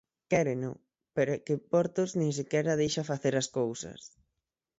Quéreno, pero é que Portos nin sequera deixa facer as cousas.